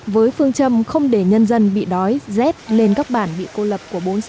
với phương châm không để nhân dân bị đói rét lên các bản bị cô lập